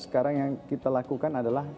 sekarang yang kita lakukan adalah